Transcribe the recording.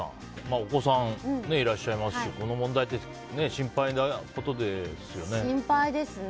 お子さんがいらっしゃいますしこの問題って心配なことですよね。